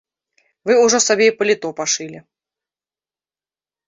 Вы ўжо сабе і паліто пашылі.